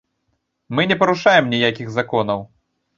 Мы не парушаем ніякіх законаў.